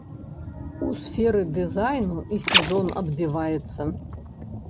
У сферы дызайну і сезон адбіваецца.